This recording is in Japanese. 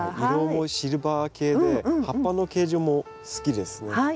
色もシルバー系で葉っぱの形状も好きですね。